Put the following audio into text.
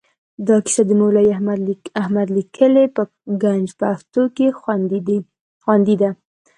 دا کیسه د مولوي احمد لیکلې په ګنج پښتو کې خوندي ده.